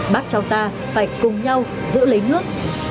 bác trao ta phải cùng nhau giữ lấy nước